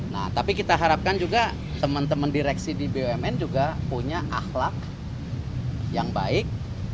nah tapi kita harapkan juga teman teman direksi di bumn juga punya akhlak yang baik